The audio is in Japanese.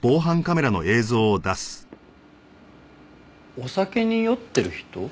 お酒に酔ってる人？